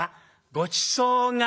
ごちそうが？